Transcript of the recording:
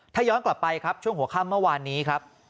ถ้าย้อนกลับไปครับช่วงหัวค่ำเมื่อวานนี้ครับ